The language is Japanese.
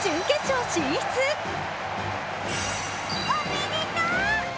おめでとう。